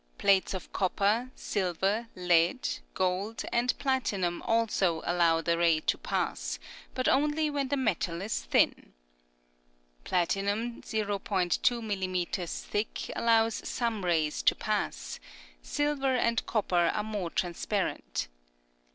Plates of copper, silver, lead, gold and platinum also allow the rays to pass, but only when the metal is thin. Platinum .2 mm. thick al lows some rays to pass ; silver and copper are more transparent.